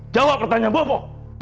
jawab pertanyaan bobo